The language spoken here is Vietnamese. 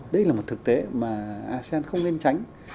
đây là một thực tế mà asean không nên tránh